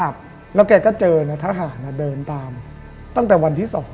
มันไหวอะ